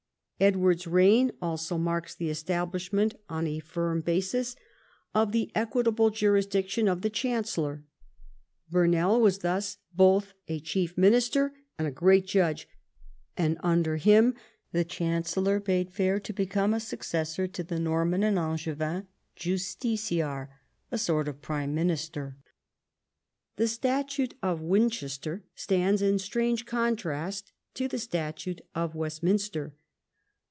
Edward's reign also marks the establishment on a firm basis of the equitable juris diction of the chancellor. Burnell was thus both a chief minister and a great judge, and under him the chancellor bade fair to become a successor to the Norman and Angevin justiciar, a sort of prime minister. The Statute of Winchester stands in strange con trast to the Statute of Westminster.